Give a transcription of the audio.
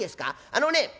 あのね